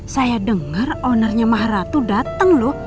saya dengar ownernya maharatu datang loh